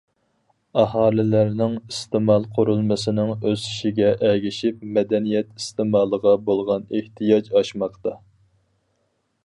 ئاھالىلەرنىڭ ئىستېمال قۇرۇلمىسىنىڭ ئۆسۈشىگە ئەگىشىپ، مەدەنىيەت ئىستېمالىغا بولغان ئېھتىياج ئاشماقتا.